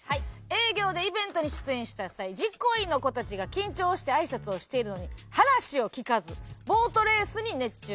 営業でイベントに出演した際実行委員の子たちが緊張してあいさつをしているのに話を聞かずボートレースに熱中していた。